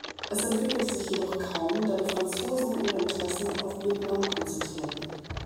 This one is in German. Es entwickelte sich jedoch kaum, da die Franzosen ihre Interessen auf Vietnam konzentrierten.